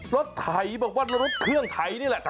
รถไถบอกว่ารถเครื่องไถนี่แหละ